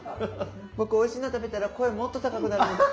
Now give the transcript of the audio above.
僕おいしいの食べたら声もっと高くなるんです。